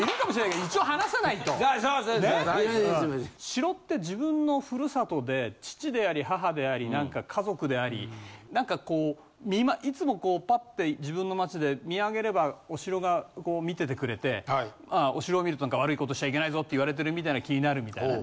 城って自分のふるさとで父であり母であり何か家族であり何かこういつもこうパッて自分の街で見上げればお城がこう見ててくれてお城を見ると悪い事しちゃいけないぞって言われてるみたいな気になるみたいな。